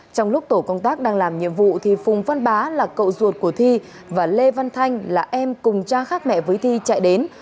trong lúc tổ công tác đang làm nhiệm vụ phùng văn bá là cậu ruột của thi và lê văn thanh là em cùng cha khác mẹ với thi chạy đến